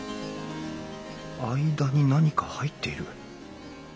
間に何か入っている。